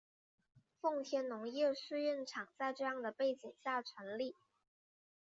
奉天农业试验场在这样的背景下成立。